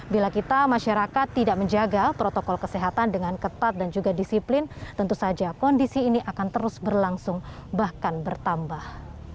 bila kita masyarakat tidak menjaga protokol kesehatan dengan ketat dan juga disiplin tentu saja kondisi ini akan terus berlangsung bahkan bertambah